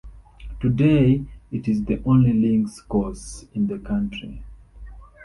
Today, it is the only links course in the country.